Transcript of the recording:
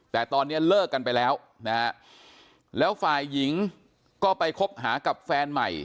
แต่ตอนนี้เลิกกันไปแล้วนะฮะแล้วฝ่ายหญิงก็ไปคบหากับแฟนใหม่